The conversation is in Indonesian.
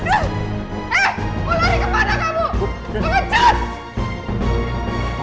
eh mau lari kepada kamu